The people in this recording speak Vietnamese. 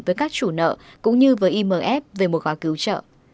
với các chủ nợ cũng như với imf về một gói cứu trợ